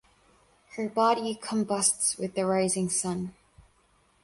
Her body combusts with the rising sun.